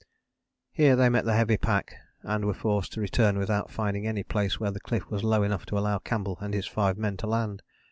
Here they met heavy pack, and were forced to return without finding any place where the cliff was low enough to allow Campbell and his five men to land.